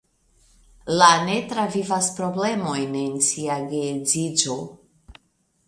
Lane travivas problemojn en sia geedziĝo.